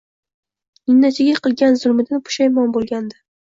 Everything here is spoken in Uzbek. Ninachiga qilgan zulmidan pushaymon bo’lgandi.